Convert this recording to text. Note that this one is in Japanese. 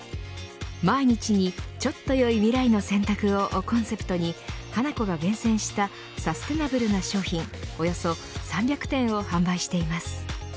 毎日にちょっとよい未来の選択ををコンプセプトにＨａｎａｋｏが厳選したサステナブルな商品およそ３００点を販売しています。